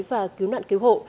và cứu nạn cứu hộ